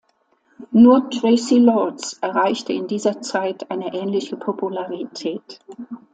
Nur Traci Lords erreichte in dieser Zeit eine ähnliche Popularität.